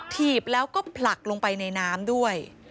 ถีบแล้วก็ผลักลงไปในน้ำด้วย